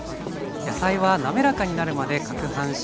野菜はなめらかになるまでかくはんします。